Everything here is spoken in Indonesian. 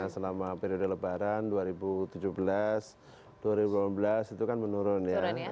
selama periode lebaran dua ribu tujuh belas dua ribu delapan belas itu kan menurun ya